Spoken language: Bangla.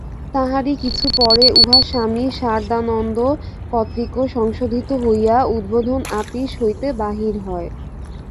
তাহারই কিছু পরে উহা স্বামী সারদানন্দ কর্তৃক সংশোধিত হইয়া উদ্বোধন আপিস হইতে বাহির হয়।